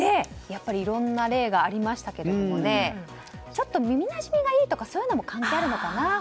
いろんな例がありましたけど耳なじみがいいとかそういうのも関係あるのかな。